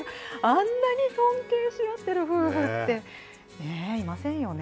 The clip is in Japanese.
あんなに尊敬し合っている夫婦っていませんよね。